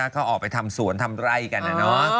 เขาออกไปทำสวนทำไร่กัน